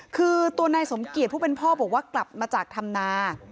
คือตัวนายสมเกียจผู้เป็นพ่อบอกว่ากลับมาจากธรรมนา